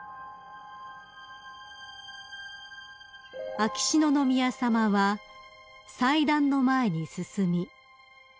［秋篠宮さまは祭壇の前に進み］